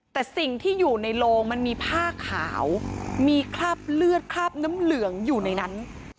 แต่สิ่งที่อยู่ในโลงมันมีผ้าขาวมีคราบเลือดคราบน้ำเหลืองอยู่ในนั้น